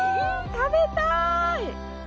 食べたい！